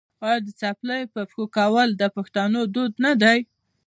آیا د څپلیو په پښو کول د پښتنو دود نه دی؟